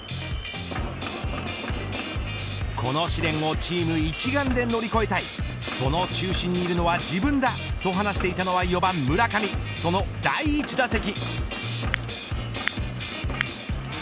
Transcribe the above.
この試練をチーム一丸で乗り越えたいその中心にいるのは自分だと話していたのは４番、村上その第１打席。